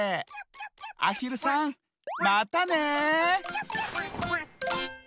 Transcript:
あひるさんまたね！